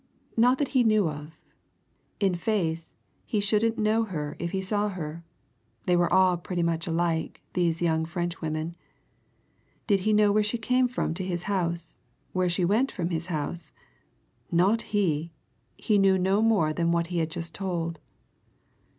Not that he knew of in fact, he shouldn't know her if he saw her they were all pretty much alike, these young Frenchwomen. Did he know where she came from to his house where she went from his house? Not he! he knew no more than what he had just told.